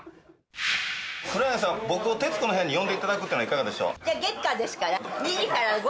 黒柳さん、僕を徹子の部屋に呼んでいただくというのはいかがでしょうか。